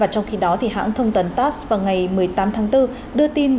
trong khi đó hãng thông tấn tass vào ngày một mươi tám tháng bốn đưa tin